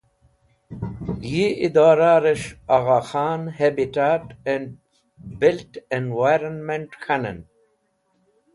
Yi Idora res̃h Agha Khan Habitat & Built Environment K̃hanen